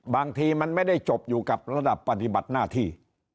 บางทีมันไม่ได้จบอยู่กับระดับปฏิบัติหน้าที่